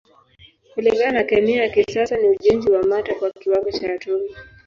Kulingana na kemia ya kisasa ni ujenzi wa mata kwa kiwango cha atomi.